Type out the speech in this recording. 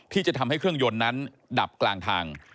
ที่จะทำให้เครื่องยนต์นั้นดับกลางทาง